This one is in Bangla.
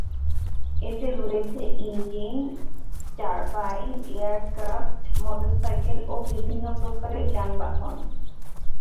এতে রয়েছে ইঞ্জিন, টার্বাইন, এয়ারক্রাফট, মোটরসাইকেল ও বিভিন্ন প্রকারের যানবাহন।